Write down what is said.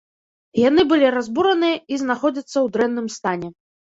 Яны былі разбураныя і знаходзяцца ў дрэнным стане.